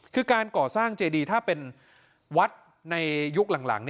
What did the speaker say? คือการก่อสร้างเจดีถ้าเป็นวัดในยุคหลัง